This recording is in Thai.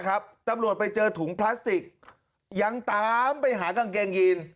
ตำรวจไปเจอถุงพลาสติกยังตามไปหากางเกงยีน